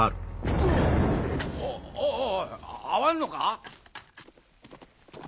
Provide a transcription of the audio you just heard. おおい会わんのか？